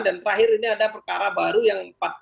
dan terakhir ini ada perkara baru yang